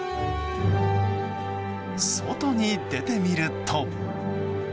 外に出てみると。